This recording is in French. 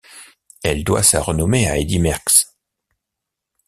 Elle doit sa renommée à Eddy Merckx.